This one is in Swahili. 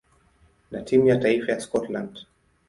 na timu ya taifa ya Scotland.